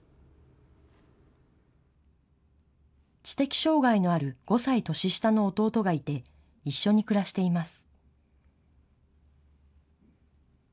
知的障害のある５歳年下の弟がいて一緒に暮らしています。